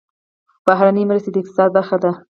بهرنۍ مرستې د اقتصاد برخه ده